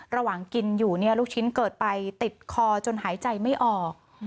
ระหว่างกินอยู่เนี่ยลูกชิ้นเกิดไปติดคอจนหายใจไม่ออก